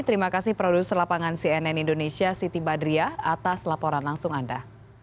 terima kasih produser lapangan cnn indonesia siti badriah atas laporan langsung anda